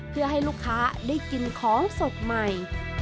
เพื่อให้ลูกค้าได้กินของสดใหม่